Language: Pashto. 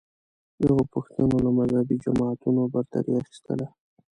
دغو پوښتنو له مذهبې جماعتونو برتري اخیستله